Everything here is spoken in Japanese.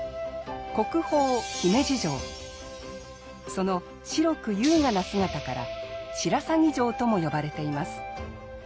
その白く優雅な姿から白鷺城とも呼ばれています。